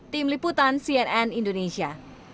tim liputan cnn indonesia